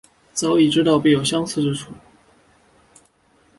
早已知道必有相似之处